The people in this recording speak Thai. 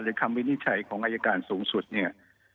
คำวินิจฉัยของอายการสูงสุดเนี่ย